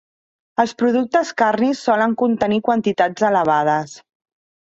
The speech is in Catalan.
Els productes carnis solen contenir quantitats elevades.